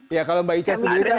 iya kalau mbak icah sendiri kan